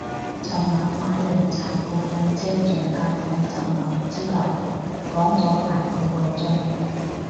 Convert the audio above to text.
尋晚買涼茶個靚姐仲教我擇偶之道講咗大半個鐘